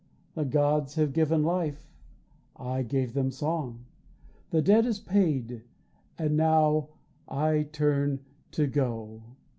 The gods have given life I gave them song; The debt is paid and now I turn to go.